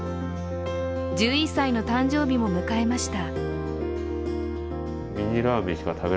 １１歳の誕生日も迎えました。